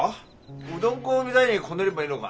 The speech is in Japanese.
うどん粉みたいにこねればいいのが？